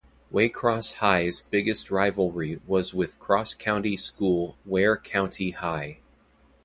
Waycross High's biggest rivalry was with cross-county school Ware County High.